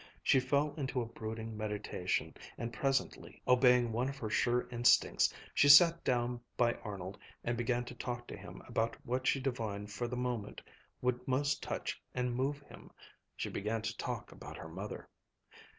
She fell into a brooding meditation, and presently, obeying one of her sure instincts, she sat down by Arnold, and began to talk to him about what she divined for the moment would most touch and move him; she began to talk about her mother.